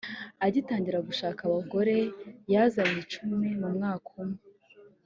agitangira gushaka abagore yazanye icumi mu mwaka umwe